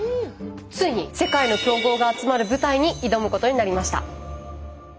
ついに世界の強豪が集まる舞台に挑むことになりました。